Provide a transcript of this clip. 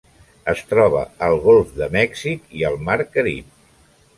Es troba al golf de Mèxic i el mar Carib.